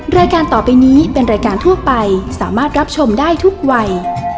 รายการต่อไปนี้เป็นรายการทั่วไปสามารถรับชมได้ทุกวัย